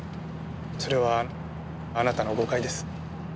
それはあなたの誤解です。